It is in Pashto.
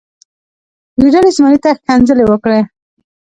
ګیدړې زمري ته ښکنځلې وکړې.